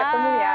sampai ketemu ya